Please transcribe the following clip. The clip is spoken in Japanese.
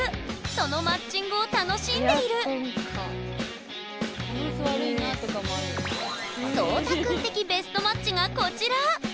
そのマッチングを楽しんでいる蒼太くん的ベストマッチがこちら！